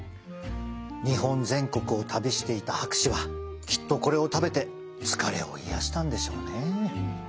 日本全国を旅していた博士はきっとこれを食べて疲れを癒やしたんでしょうね。